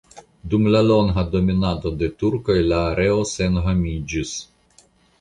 Dum la longa dominado de turkoj la areo senhomiĝis.